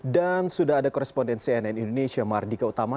dan sudah ada korespondensi ann indonesia mardi keutama